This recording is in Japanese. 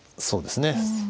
そうですね。